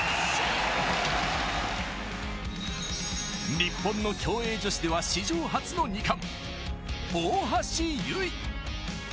日本の競泳女子では史上初の２冠、大橋悠依。